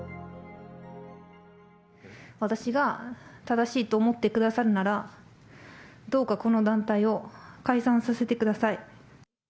私が正しいと思ってくださるなら、どうか、この団体を解散させてください。